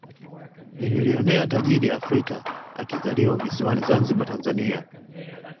Ni milionea tajika Afrika akizaliwa visiwani Zanzibar Tanzania